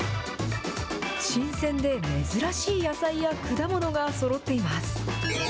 新鮮で珍しい野菜や果物がそろっています。